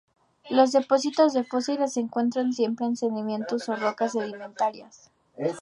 Los depósitos de fósiles se encuentran siempre en sedimentos o rocas sedimentarias.